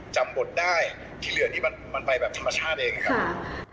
จำบทได้ที่เหลือนี่มันไปแบบธรรมชาติเองนะครับ